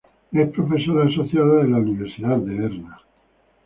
Es profesora asociada de la Universidad de Berna.